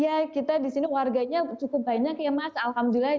ya kita di sini warganya cukup banyak ya mas alhamdulillah